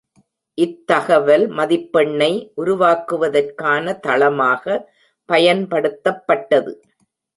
இத்தகவல் மதிப்பெண்ணை உருவாக்குவதற்கான தளமாக பயன்படுத்தப்பட்டது.